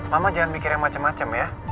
mama jangan mikir yang macem macem ya